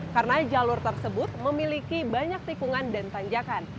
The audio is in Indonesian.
karena jalur tersebut memiliki banyak tikungan dan tanjakan